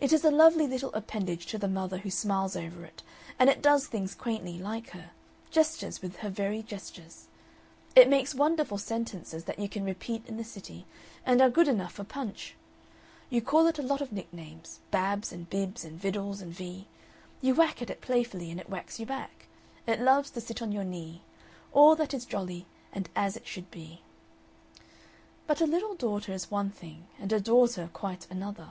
It is a lovely little appendage to the mother who smiles over it, and it does things quaintly like her, gestures with her very gestures. It makes wonderful sentences that you can repeat in the City and are good enough for Punch. You call it a lot of nicknames "Babs" and "Bibs" and "Viddles" and "Vee"; you whack at it playfully, and it whacks you back. It loves to sit on your knee. All that is jolly and as it should be. But a little daughter is one thing and a daughter quite another.